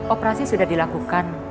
operasi sudah dilakukan